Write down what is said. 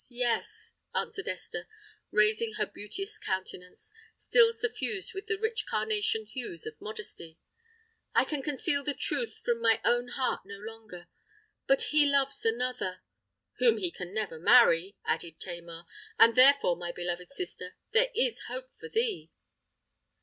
—yes," answered Esther, raising her beauteous countenance, still suffused with the rich carnation hues of modesty; "I can conceal the truth from my own heart no longer! But he loves another——" "Whom he can never marry," added Tamar; "and therefore, my beloved sister, there is hope for thee!"